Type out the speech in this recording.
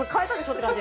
って感じ。